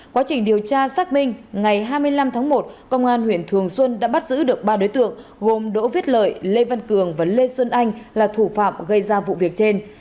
quá trình điều tra xác minh ngày hai mươi năm tháng một công an huyện thường xuân đã bắt giữ được ba đối tượng gồm đỗ viết lợi lê văn cường và lê xuân anh là thủ phạm gây ra vụ việc trên